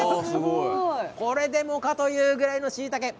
これでもかというぐらいのしいたけ。